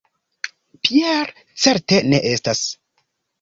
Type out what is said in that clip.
Pierre certe ne estas.